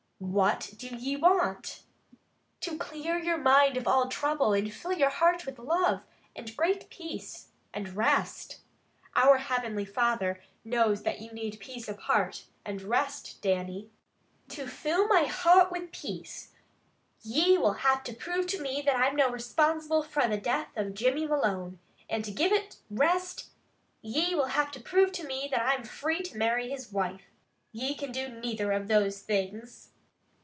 "What do ye want?" "To clear your mind of all trouble, and fill your heart with love, and great peace, and rest. Our Heavenly Father knows that you need peace of heart, and rest, Dannie." "To fill my heart wi' peace, ye will have to prove to me that I'm no responsible fra the death of Jimmy Malone; and to give it rest, ye will have to prove to me that I'm free to marry his wife. Ye can do neither of those things."